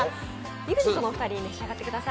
ＥＸＩＴのお二人召し上がってください。